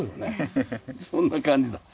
そんな感じだ。